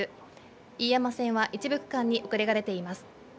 飯山線は一部区間に遅れが出ています。